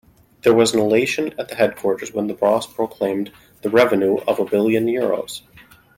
There was elation at the headquarters when the boss proclaimed the revenue of a billion euros.